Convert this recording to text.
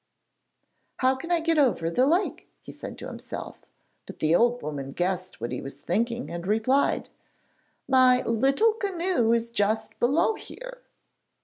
'How can I get over the lake?' he said to himself, but the old woman guessed what he was thinking and replied: 'My little canoe is just below here.'